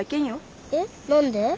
えっ何で？